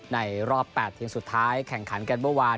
ในรอบแปดเทียงสุดท้ายแข่งขันกันเมื่อวาน